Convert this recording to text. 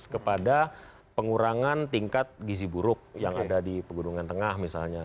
kepada pengurangan tingkat gizi buruk yang ada di pegunungan tengah misalnya